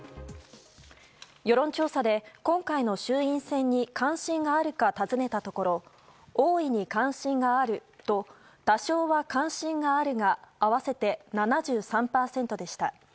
世論調査で今回の衆院選に関心があるか尋ねたところ大いに関心があると多少は関心があるが合わせて７３％でした。